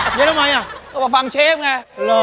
มีอะไรมากเข้ามาฟังเชฟไง